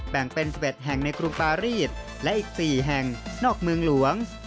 แบ่งเป็น๑๑แห่งในกรุงปารีสและอีก๔แห่งนอกเมืองหลวง